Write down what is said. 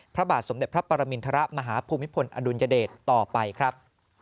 พระบาทสมเด็จพระปรมินทรมาฮภูมิพลอดุลยเดชต่อไปครับ